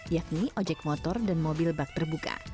yakni ojek motor dan mobil bak terbuka